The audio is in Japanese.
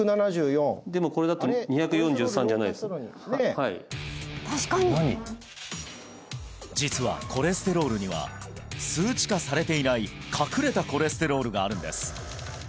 でもこれだと実はコレステロールには数値化されていない隠れたコレステロールがあるんです